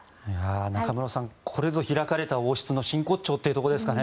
中室さん、これぞ開かれた王室の真骨頂というところですかね。